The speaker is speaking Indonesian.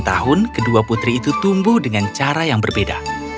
dua puluh tahun kedua putri itu tumbuh dengan cara yang berbeda